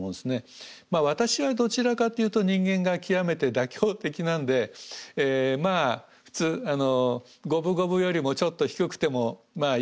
私はどちらかというと人間が極めて妥協的なんでまあ五分五分よりもちょっと低くてもまあいいかなと。